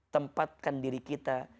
tempatkan diri kita